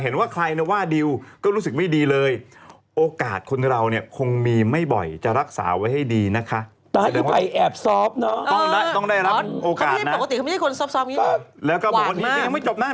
นะครับคุณไพนี่นะครับก็ลงไอจีเลยบอกว่า